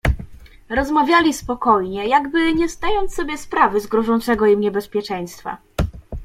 "Rozmawiali spokojnie, jakby nie zdając sobie sprawy z grożącego im niebezpieczeństwa."